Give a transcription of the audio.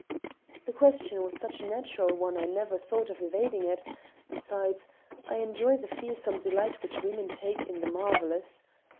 The question was such a natural one I never thought of evading it, besides, I enjoy the fearsome delight which women take in the marvelous.